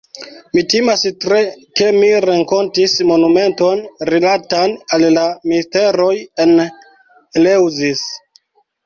Mi timas tre, ke mi renkontis monumenton rilatan al la misteroj en Eleŭzis.